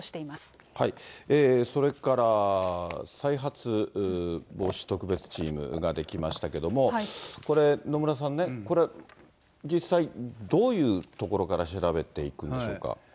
それから、再発防止特別チームが出来ましたけども、これ、野村さんね、これ、実際、どういうところから調べていくんでしょうか。